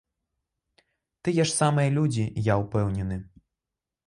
Тыя ж самыя людзі, я ўпэўнены.